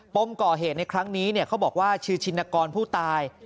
ปมก่อเหตุในครั้งนี้เขาบอกว่าชื่อชินกรผู้ตาย